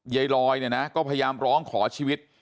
ยายลอยเนี่ยนะก็พยายามร้องขอชีวิต